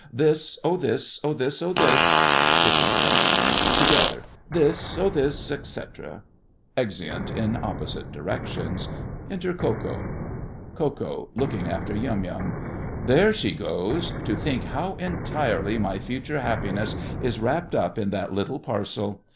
This, oh, this, oh, this, oh, this,—(Kissing her.) TOGETHER. This, oh, this, etc. [Exeunt in opposite directions. Enter Ko Ko. KO. (looking after Yum Yum). There she goes! To think how entirely my future happiness is wrapped up in that little parcel!